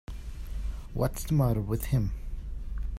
What's the matter with him.